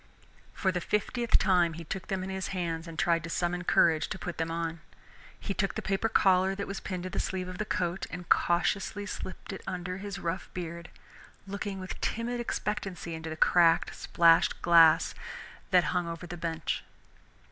For the fiftieth time he took them in his hands and tried to summon courage to put them on. He took the paper collar that was pinned to the sleeve of the coat and cautiously slipped it under his rough beard, looking with timid expectancy into the cracked, splashed glass that hung over the bench.